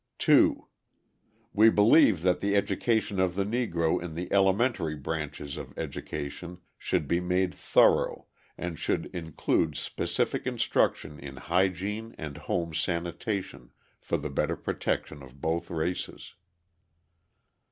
2. We believe that the education of the Negro in the elementary branches of education should be made thorough, and should include specific instruction in hygiene and home sanitation, for the better protection of both races.